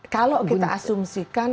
kalau kita asumsikan